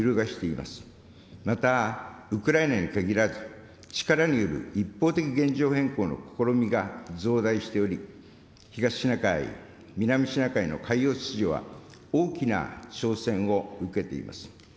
また、ウクライナに限らず力による一方的現状変更の試みが増大しており、東シナ海、南シナ海の海洋秩序は大きな挑戦を受けています。